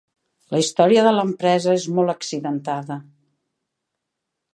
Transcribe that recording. La història de l'empresa és molt accidentada.